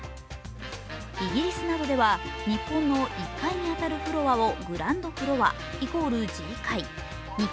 イギリスなどでは日本の１階に当たるフロアをグランドフロア＝Ｇ階。